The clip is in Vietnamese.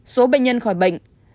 một số bệnh nhân khỏi bệnh